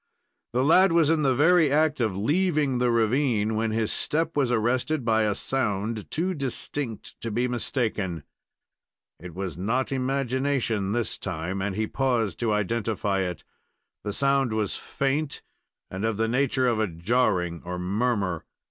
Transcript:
The lad was in the very act of leaving the ravine, when his step was arrested by a sound too distinct to be mistaken. It was not imagination this time, and he paused to identify it. The sound was faint and of the nature of a jarring or murmur.